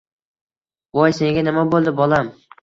Voy, senga nima bo`ldi, bolam